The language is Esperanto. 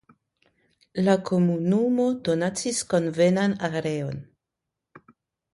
La komunumo donacis konvenan areon.